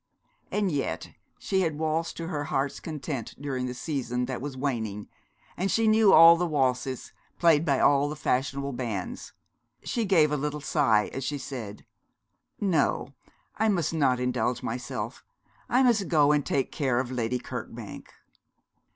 And yet she had waltzed to her heart's content during the season that was waning, and knew all the waltzes played by all the fashionable bands. She gave a little sigh, as she said 'No, I must not indulge myself. I must go and take care of Lady Kirkbank.'